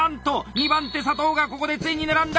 ２番手佐藤がここでついに並んだ！